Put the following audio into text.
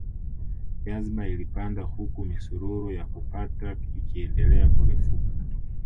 Jazba ilipanda huku misururu ya kupata ikiendelea kurefuka